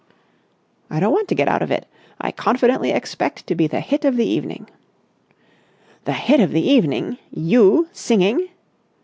"I don't want to get out of it. I confidently expect to be the hit of the evening." "The hit of the evening! You! Singing!"